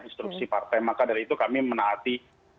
pengecepatan maka dari itu kami menaati